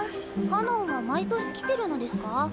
かのんは毎年来てるのデスカ？